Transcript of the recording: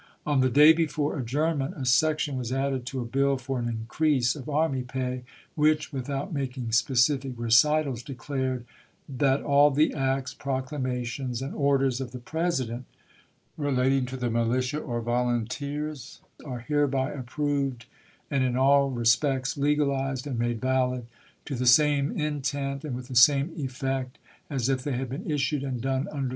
On the day before adjournment a section was added to a bill for an increase of army pay, which, without making specific recitals, declared " that all the acts, proclamations, and orders of the President " relating to the militia or volunteers " are hereby approved and in all respects legalized and made valid, to the same intent and with the same effect as if they had been issued and done under 384 ABKAHAM LINCOLN Chap. XXI.